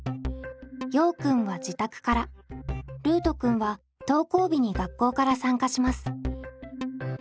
ようくんは自宅からルートくんは登校日に学校から参加します。